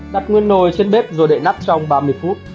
đặt nguyên nồi trên bếp rồi đệ nắp trong ba mươi phút